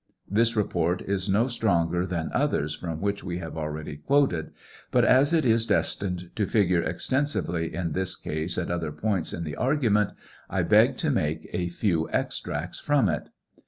This report is no stronger than others from which we have already quoted, but as it is destined to figure extensively in this case at other points in the argument, 1 beg to make a few extracts from it.